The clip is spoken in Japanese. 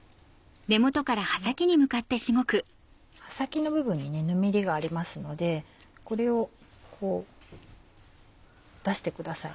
この葉先の部分にぬめりがありますのでこれをこう出してください。